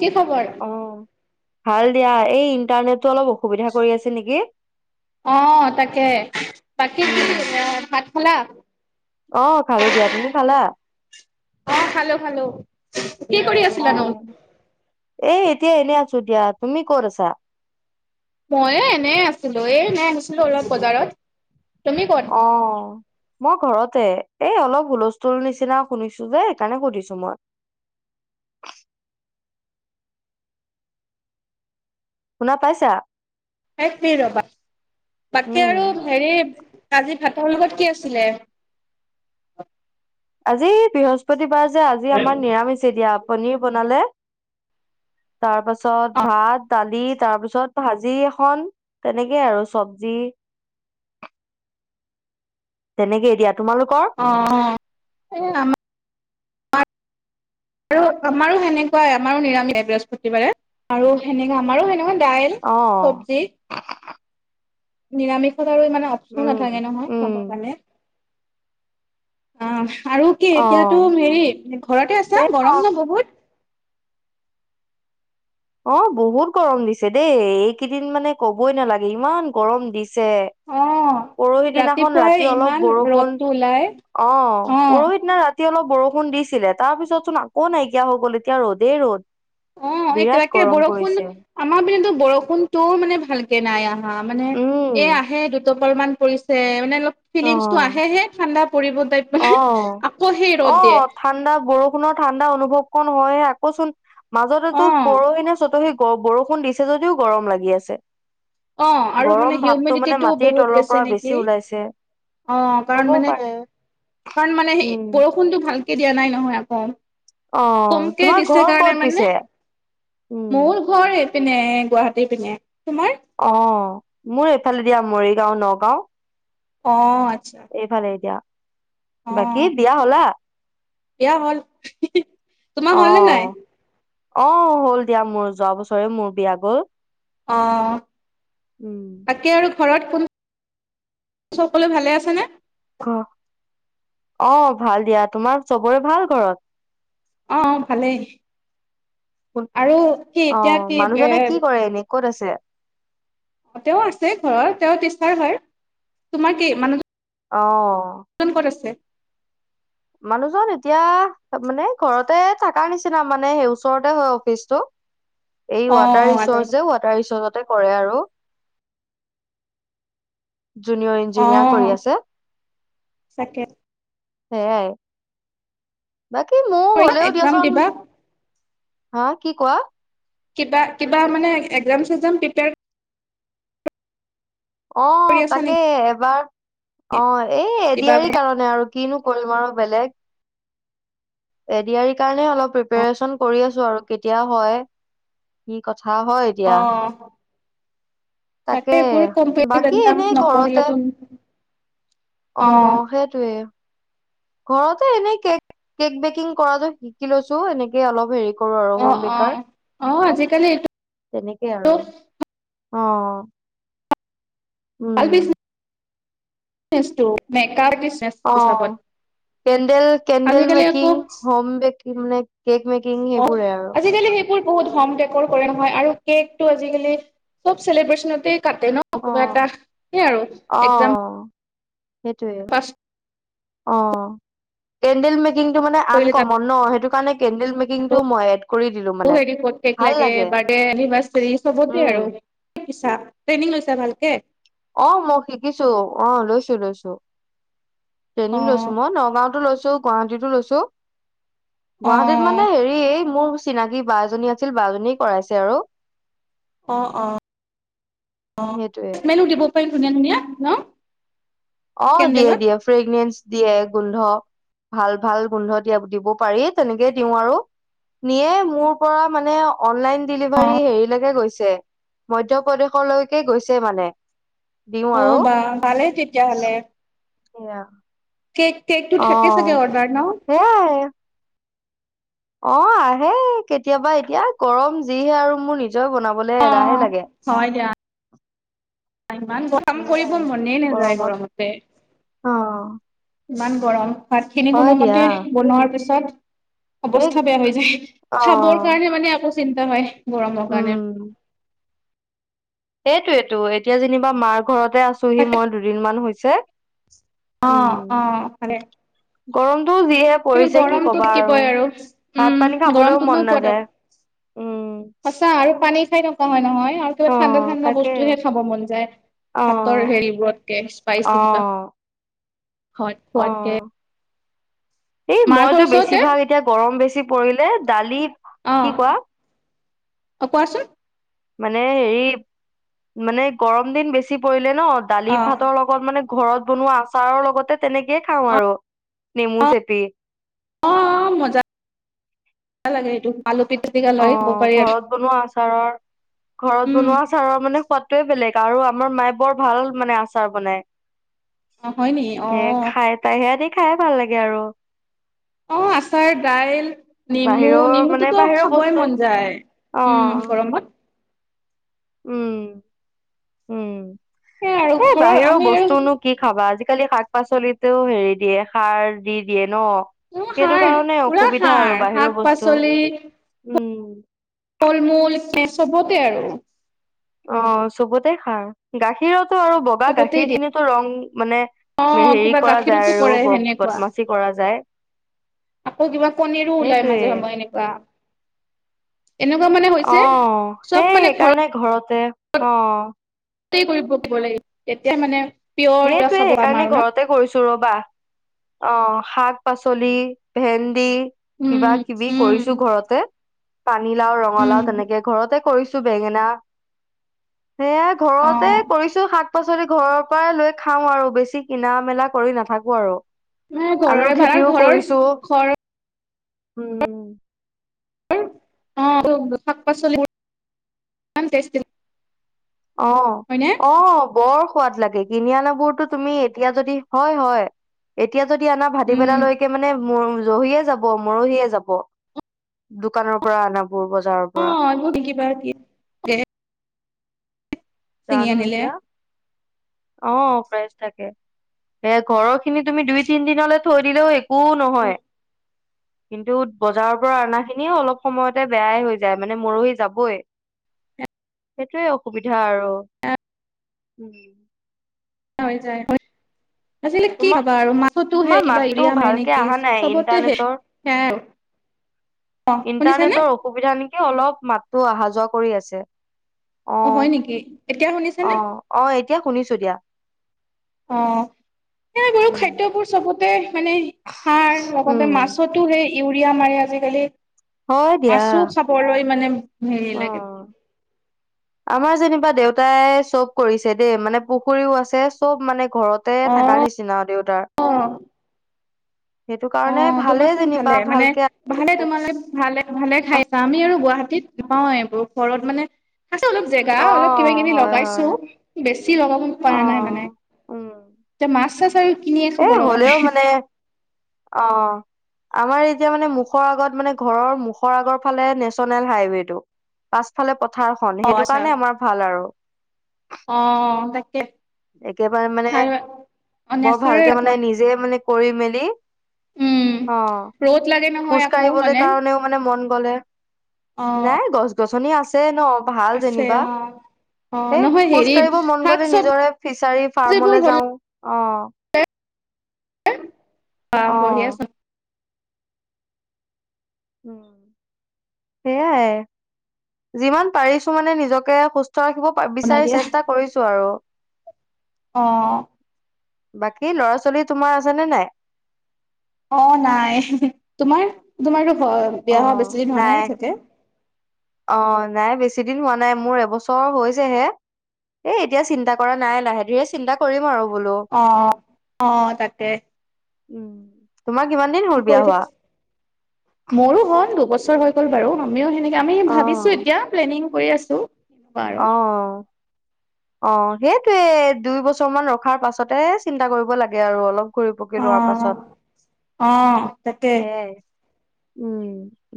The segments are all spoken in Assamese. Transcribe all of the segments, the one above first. কি খবৰ অ ভাল দিয়া এই ইণ্টাৰনেটটো অলপ অসুবিধা কৰি আছে নেকি অ তাকে বাকী কি এ ভাত খালা আহ খালো দিয়া তুমি খালা অ খালো খালো। কি কৰি অ আছিলানো? এ এতিয়া এনেই আছো দিয়াত তুমি কৰিছা ময়ে এনে আছিলো এ এনেই আনিছিলো অলপ বজাৰত তুমি ক'ত? অ মই ঘৰতে এই অলপ হুলস্থুল নিচিনা শুনিছো যে সেইকাৰণে সধিছো মই [inaudible] শুনা পাইছা ৰবা বাকী উম আৰু হেৰি আজি ভাতৰ লগত কি আছিলে আজি বৃহস্পতিবাৰ যে আজি আমাৰ নিৰামিছে দিয়া পনিৰ বনালে তাৰ পাছত অ ভাত দালি তাৰ পিছত ভাজি এখন তেনেকেই আৰু চব্জি তেনেকে এৰিয়াত অ অ এ আমাৰ আৰু আমাৰো সেনেকুৱাই আমাৰো নিৰামিষায় বৃহস্পতিবাৰে আৰু সেনেকুৱা আমাৰো সেনেকুৱা দাইল অ চব্জি নিৰামিষত আৰু ইমানে অপচন উম নাথাকে নহয় উম খাব কাৰণে অ আৰু কি অ এতিয়াতো হেৰি ঘৰতে আছা সেয়া গৰম ন বহুত অ বহুত গৰম দিছে দেই এইকেইদিন মানে কবই নালাগে ইমান গৰম দিছে ছে অ পৰহি দিনাখন ৰাতিপুৱাই ৰাতি অলপ ইমান বৰষুণ ৰ'দটো ওলাই অ' পৰহি দিনা ৰাতি এ অলপ বৰষুণ দিছিলে তাৰ পিছত চোন আকৌ নাইকিয়া হৈ গ'ল এতিয়া ৰ'দেই ৰ'দ অ এই বিৰাট। তাকে গৰম বৰষুণ পৰিছে আমাৰ পিনে বৰষুণটোও মানে ভালকে নাই আহা মানে এ উম আহে দু পালমান পৰিছে মানে অ ফিলিংছটো আহেহে ঠাণ্ডা পৰিব টাইপ অ আকৌ সেই অ ৰ'দ দিয়ে। ঠাণ্ডা বৰষুণৰ ঠাণ্ডা অনুভৱ কন হয়। আকৌচোন অ মাজতেতো পৰহি নে চতহি বৰষুণ দিছে যদিও গৰম লাগি আছে। অ, আৰু মানে গৰম ভাৱটো মানে হিউমিডিটিটো মাটিৰ বহুত তলৰ বেছি পৰা নেকি। ওলাইছে অ, হব কাৰণ মানে পাৰে কাৰণ মানে উম বৰষুণতটো ভাল দিয়া নাই নহয় আকৌ অ কমকে তোমাৰ দিছে ঘৰ কাৰণে ক'ত মানে পিছে মোৰ ঘৰ পিনে গুৱাহাটীৰ পিনে, তোমাৰ অ', মোৰ এইফালে দিয়া মৰিগাঁও নগাঁও অ', আচ্ছা এইফালে এ দিয়া। অ বাকী বিয়া হ'লা। বিয়া হ'ল। তোমাৰ অ হল নে নাই? অ, হ'ল দিয়া মোৰ যোৱা বছৰে মোৰ বিয়া গ'ল। অ', উম। বাকী আৰু ঘৰত কোন সকলো ভালে আছেনে? অ, ভাল দিয়া তোমাৰ চবৰে ভাল ঘৰত। অ, ভালেই আৰু কি অ এতিয়া কি মানুহজনে কি এ কৰে এনে ক'ত আছে। অ' তেওঁ আছে ঘৰৰ তেওঁ টিচাৰ হয় তোমাৰ কি মানুহ জন অ', ক'ত আছে। মানুহজন এতিয়া মানে ঘৰতে থকাৰ নিচিনা মানে সেই ওচৰতে হয় অফিচটো। এই অ ৱাটাৰ আচ্ছা। ৰিচৰ্চে ৱাটাৰ ৰিচৰ্চতে কৰে আৰু। জুনিয়ৰ অ ইঞ্জিনিয়াৰ কৰি আছে, তাকে সেয়াই। বাকী ময় হলেও এক্সাম দিয়াচোন দিবা হা কি কোৱা। কিবা কিবা মানে একজাম চেকজাম প্ৰিপাৰ অ, তাকে এবাৰ অ' এই এ দি দিবা আৰ ই মানে? কাৰণে আৰু কিনো কৰিম আৰু বেলেগ। এ ডি আৰ ই কাৰণে অলপ প্ৰিপাৰেচন কৰি আছো আৰু কেতিয়া হয় কি কথা। হয় হয় এতিয়া অ তাকে, এইবোৰ কম্পিটিভ বাকী এক্সাম এনেই ঘৰতে। নপঢ়িলেতো অ, সেইটোৱে। ঘৰতে এনেই কেক কেক বেকিং কৰাটো শিকি লৈছো এনেকে অলপ হেৰি কৰো আৰু অ হোম অ বেকাৰ। অ, আজিকালি এইটো তেনেকেই আৰু অ' ভাল উম। [unintelligible] অ, হিচাপত কেণ্ডেল কেণ্ডেল আজিকালি মেকিং আকৌ হোম বেকিং মানে। কেক মেকিং অ সেইবোৰে আৰু আজিকালি বহুত হম ডেক'ৰ কৰে নহয় আৰু কেক টো আজিকালি চব চেলিব্ৰেচনতে কাটে ন' কিবা এটা, অ', এইয়া আৰু একজাম অ', সেইটোৱে অ', কেনডেল মে কিন্তু মানে কৰিলে তাত আনকমন ন? সেইটো কাৰণে কেণ্ডেল মেকিংটো মই এড কৰি দিলোঁ, মানে হেৰি ক'ত কেক ভাল লাগে বাৰ্থডে এনিভাৰ্চাৰী চবতে আৰু উম। [unintelligible] ট্ৰেইনিং লৈছা ভালকে? অ, মই শিকিছোঁ অহ, লৈছো-লৈছো। অ ট্ৰেইনিং লৈছো মই নগাঁওতো লৈছো গুৱাহাটীতো লৈছো অ গুৱাহাটীত মানে হেৰি এই মোৰ চিনাকি বা এজনী আছিল বা জনী কৰাইছে আৰু। অ', অ', অ', সেইটোয়ে [unintelligible] দিব পাৰিম ধুনীয়া-ধুনীয়া ন? অ, কেণ্ডেলত দিয়ে-দিয়ে ফ্ৰেগনেন্ঞ্চ। দিয়ে গোন্ধ ভাল-ভাল গোন্ধ দিয়া দিব পাৰি তেনেকেই দিওঁ আৰু। নিয়েই মোৰ পৰা মানে অনলাইন ডেলিভাৰী হেৰিলৈকে গৈছে মধ্য প্ৰদেশলৈকে গৈছে মানে। দিওঁ অ, আৰু বাহ ভালে তেতিয়াহ'লে। এয়া। কেক -কেক তো থোকেছাগে অ'। অৰ্ডাৰ ন? সেয়াই অ, আহে কেতিয়াবা এতিয়া গৰম যিহে আৰু মোৰ নি নিজৰ বনাবলে অ এলাহে লাগে। আ ইমান গৰম কৰিব সেয়াই মনেই নাযায় গৰমত গৰমতে। অ' ইমান গৰম ভাতখিনি হয় দিয়া কোনোমতে বনোৱাৰ পিছত এই অৱস্থা বেয়া হৈ যায় চাবৰ অ' কাৰণে মানে আকৌ চিন্তা হয়। গৰমৰ কাৰণে। এইটোৱেটো এতিয়া যেনিবা মাৰ ঘৰতে আছোহি তাকে মই দুদিনমান হৈছে অ', উম। অ', ভালে। গৰমটো যিহে কিন্তু পৰিছে কি গৰমটো কবা থাকিবই আৰু ভাত পানী উম খাবলৈও গৰমটো মন নো কত নাযায় উম। [unintelligible] সঁচা আৰু পানী খাই থকা হয় নহয়। [unintelligible] ঠাণ্ডা অ', ঠাণ্ডা তাকে বস্তুহে খাব মন যায়, ভাতৰ অ', হেৰি বোৰতকে। স্পাইছি কিবা অ', ঘৰত খোৱাতকে। অ', এই মাৰ ঘৰ মইতো ওচৰতে বেছিভাগ অ', এতিয়া গৰম বেছি পৰিলে দালি, কি অ', কৰা? কোৱাচোন মানে হেৰি, মানে গৰম দিন বেছি পৰিলে ন, দালি, অ', ভাতৰ লগত মানে ঘৰত বনোৱা আচাৰৰ লগতে তেনেকেই খাওঁ অ', আৰু নেমু চেপি। ভাল লাগে এইটো। আলু পিটিকা লৈ খাব অ' পাৰি আৰু ঘৰত বনোৱা আচাৰ, ঘৰত উম, বনোৱা আচাৰৰ মানে সোৱাদ তোৰ বেলেগ আৰু আমাৰ মায়ে বৰ ভাল মানে আচাৰ বনায়। অ', হয় নি সে অ', খাই [unintelligible] সেয়া দি খাইয়ে ভাল লাগে আৰু। অ' আচাৰ, দাইল, নেমু বাহিৰৰ মানে নেমুটোতো বাহিৰৰ খাবই বস্তু মন যায়, উম অ', গৰমত। উম উম। সেই আৰু এ ঘৰৰ বাহিৰৰ আমি আৰু বস্তুনো কি খাবা, আজিকালি শাক শাক-পাচলিটো হেৰি দিয়ে, সাৰ দি দিয়ে ন? উম, সেইটো সাৰ কাৰণে পুৰা অসুবিধা সাৰ আৰু বাহিৰৰ শাক বস্তু। উম, ফল-মূল সেই চবতে আৰু। অ' চবতে সাৰ, গাখীৰতো আৰু বগা চবতেই গাখীৰ দিয়ে খিনোটো ৰং মানে অ', হেৰি কিবা কৰা গাখীৰতো যায় আৰু, কৰে সেনেকুৱা বদমাছি কৰা যায়। আকৌ কিবা কণীৰো ওলাই সেইটোৱে মাজে সময়ে এনেকুৱা। এনেকুৱা মানে অ' হৈছে চব সেই মানে সেইকাৰণে ঘৰতে, অ'। [unintelligible] লাগিব তেতিয়া মানে পিয়ৰ কিবা সেইটোয়ে, খাব পাম সেইকাৰণে আৰু ন ঘৰতে কৰিছো ৰবা! অ' শাক। শাক পাচলি ভেন্দি কিবা উম কিবি উম কৰিছোঁ ঘৰতে। পানীলাও ৰঙালাও উম তেনেকে ঘৰতে কৰিছোঁ বেঙেনা সেয়া অ ঘৰতে কৰিছোঁ শাক পাচলি ঘৰৰ পৰালৈ খাওঁ আৰু বেছি কিনা মেলা কৰি নাথাকো আৰু। মানে আলুৰ ঘৰৰে ভাল আৰু খেতিও ঘৰৰ কৰিছোঁ ঘৰৰ উম, অ', শাক-পাচলিবোৰ ইমান টেষ্টি অ', হয়নে অ', বৰ সোৱাদ লাগে কিনি আনা বোৰতো তুমি এতিয়া যদি হয় হয়। এতিয়া যদি আনা উম ভাটিবেলালৈকে মানে মোৰ জহিয়ে যাব মৰহিয়ে যাব, দোকানৰ পৰা আনা অ', [unintelligible] ছিঙি জানু আনিলে এতিয়া। অ', প্ৰাইজ থাকে এ ঘৰৰ খিনি তুমি দুই তিন দিনলৈ থৈ দিলেও এক একু নহয় [inaudible] কিন্তু বজাৰৰ পৰা অনা খিনি অলপ সময়তে বেয়াই হৈ যায় মানে মৰহি যাবই। সেইটোৱে অসুবিধা আৰু উম, যায় যায়। আজিলে কি তোমাৰ খাবা আৰু মাছতো সেই তোমাৰ কিবা মাততো ইউৰিয়া মাৰে ভালকে নেকি অহা নাই চবতে শেষ। ইণ্টাৰনেটৰ সেয়াই আৰু। অ শুনিছেনে ইণ্টাৰনেটৰ অসুবিধা নেকি অলপ মাতো অহা যোৱা কৰি আছে অ', হয় নেকি এতিয়া শুনিছেনে অ', অ', এতিয়া শুনিছো দিয়া অ', সেই বাৰু উম খাদ্যবোৰ চবতে মানে সাৰ উম লগতে মাছতো সেই ইউৰিয়া মাৰে আজিকালি মাছো খাবলৈ মানে হেৰি উ, লাগে আমাৰ যেনিবা দেউতা তাই চব কৰিছে দেই মানে পুখুৰীও আছে চব মানে ঘৰতে অ থকাৰ নিচিনা দেউতাৰ সেইটো কাৰণে অ', ভালেই তোমাৰচোন যেনিবা ভালে মানে ভালকে ভালে আছে। তোমালৈ ভালে, ভালে খাইছা আমি আৰু গুৱাহাটী নাপাওঁ এইবোৰ ঘৰত মানে আছে অলপ জেগা অ অলপ কিবা কিনি হয় হয় লগাইছো বেছি লগাব পৰা নাই মানে অ', উম, তে মাছ আৰু কিনিয়ে এ, খাব লগা হলেও হয় মানে অ', আমাৰ এতিয়া মানে মুখৰ আগত মানে ঘৰৰ মুখৰ আগৰ ফালে নেশচনেল হাইৱেটো পাছফালে পথাৰখন অ সেইটো আচ্ছা কাৰণে আমাৰ ভাল আৰু অ', তাকে একেবাৰে মানে খাই অ', বৰ নেচাৰেল ভালকে মানে কথা নিজে মানে কৰি মেলি উম অ', ৰ'দ লাগে নহয় খোজ আকৌ কাঢ়িবলৈ মানে কাৰণেও মানে মন অ নাই গছ- গছনি আছে ন ভাল আছে যেনিবা অ অ হ নহয় খোজ হেৰি কাঢ়িব মন শাক গলে নিজৰে ফিচাৰী চবজিবোৰ ফাৰ্মলৈ হ'ল যাওঁ অ', অ', বঢ়িয়াছ উ, সেইয়াই যিমান পাৰিছো মানে নিজকে সুস্থ ৰাখিব বনাই বিচাৰি দিয়া চেষ্টা কৰিছো আৰু অ বাকী ল'ৰা ছোৱালী তোমাৰ আছেনে নাই অ', নাই তোমাৰ তোমাৰ অ', অ', বিয়া হোৱা বেছি দিন হোৱা নাই চাকে বেছিদিন হোৱা নাই মোৰ এবছৰ হৈছেহে এ, এতিয়া চিন্তা কৰা নাই লাহে ধীৰে চিন্তা কৰিম আৰু বোলো। অহ, অহ, তাকে উম। তোমাৰ কিমান দিন হ'ল বিয়া কৈ থাক হোৱা? মোৰো হয় দুবছৰ হৈ গ'ল বাৰু আমিও সেনেকে আমি ভাবিছো এতিয়া প্লেনিং কৰি আছো আৰু অ', অ', অ', সেইটোয়ে দুই বছৰ মান ৰখাৰ পাছতে চিন্তা কৰিব লাগে আৰু অলপ কৰি পকি অ লোৱাৰ পাছত অ তাকে সেইয়াই উম,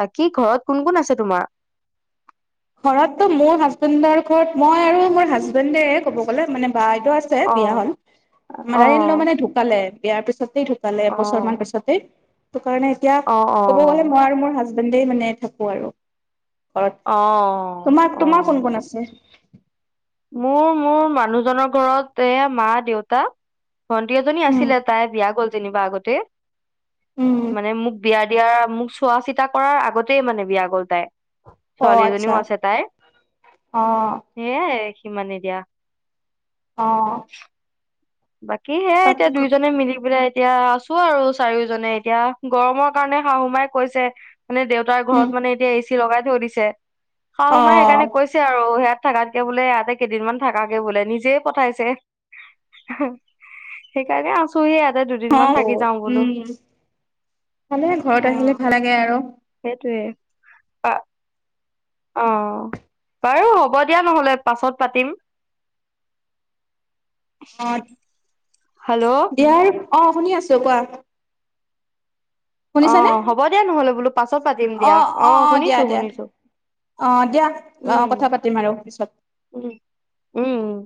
বাকী ঘৰত কোন কোন আছে তোমাৰ? ঘৰততো মোৰ হাজবেণ্ডৰ ঘৰত মই আৰু মোৰ হাজবেণ্ডে, ক'ব গ'লে মানে বাইদেউ আছে বিয়া অ', হল। মাদাৰ ইনলো অ', মানে ঢুকালে বিয়াৰ পিছত ঢুকালে এবছৰ মান অ', পিছতেই ত কাৰণে এতিয়া অ', ক'ব গ'লে অ'। মই আৰু মোৰ হাজব মানে থাকো আৰু ঘৰত, অ অ তোমাৰ-তোমাৰ কোন কোন আছে মোৰ, মোৰ মানুহজনৰ ঘৰত এ, মা, দেউতা ভন্তি এজনী উম আছিলে তাই বিয়া গ'ল যেনিবা আগতে উম মানে মোক বিয়া দিয়াৰ মোক চোৱা চিতা কৰাৰ আগতেই মানে বিয়া গ'ল তাই অ ছোৱালী আচ্ছা এজনীও আছে তাই অ সেয়াই। সিমানে দিয়া অ', বাকী সেয়াই বাকী এতিয়া ক দুইজনে মিলি পেলাই এতিয়া আছো আৰু চাৰিওজনে। এতিয়াৰ গৰমৰ কাৰণে শাহুমাই কৈছে মানে দেউতাৰ ঘৰত উম মানে এতিয়া এ চি লগাই থৈ দিছে অ শাহু মাই সেইকাৰণে কৈছে আৰু ইয়াত থাকাতকে বোলে ইয়াতে কেইদিনমান থাকাকে বোলে নিজে পঠাইছে। সেইকাৰণে আছুহি ইয়াত। অ' উম। ভালে, ঘৰত আহিলে ভাল লাগে আৰু। সেইটোৱে। অ'। অ' বাৰু হ'ব দিয়া নহ'লে পাছত পাতিম। [inaudible] অ' হেল্ল' দিয়া আৰু অ শুনি আছো কোৱা? অ' শুনিছানে হ'ব দিয়া নহলে বোলো পাছত পাতিম দিয়া অ শুনিছো-শুনিছো। অ' দিয়া অ' কথা পাতিম আৰু পিছত। উম উম। উম।